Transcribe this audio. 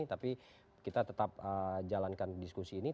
tapi kita tetap jalankan diskusi ini